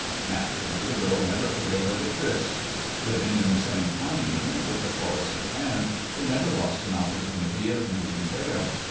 Naturally, the girl never failed at a tryst. Living in the same commune, with the forest at hand, they never lost an opportunity of meeting there.